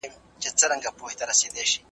کم خوب خطر زیاتوي.